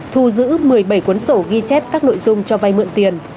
thu giữ một mươi bảy cuốn sổ ghi chép các nội dung cho vay mượn tiền